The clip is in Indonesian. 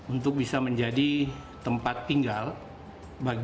untuk bisa menjadi tempat tinggal bagi